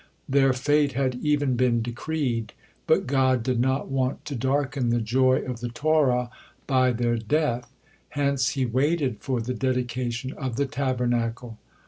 Their fate had even been decreed, but God did not want to darken the joy of the Torah by their death, hence He waited for the dedication of the Tabernacle.